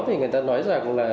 thì người ta nói rằng là